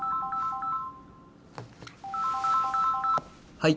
はい。